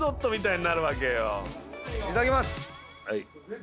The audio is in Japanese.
いただきます。